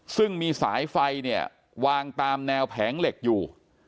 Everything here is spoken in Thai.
ซึ่งมีสายไฟเนี่ยวางตามแนวแผงเหล็กอยู่